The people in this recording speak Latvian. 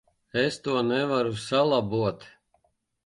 Es to nevaru salabot.